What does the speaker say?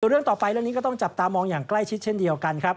เรื่องต่อไปเรื่องนี้ก็ต้องจับตามองอย่างใกล้ชิดเช่นเดียวกันครับ